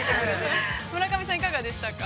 ◆村上さん、いかがでしたか。